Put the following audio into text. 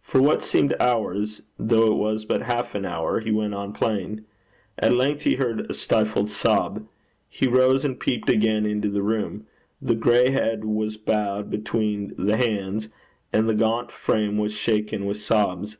For what seemed hours, though it was but half an hour, he went on playing. At length he heard a stifled sob. He rose, and peeped again into the room. The gray head was bowed between the hands, and the gaunt frame was shaken with sobs.